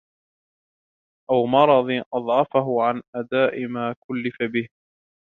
أَوْ مَرَضٍ أَضْعَفَهُ عَنْ أَدَاءِ مَا كُلِّفَ بِهِ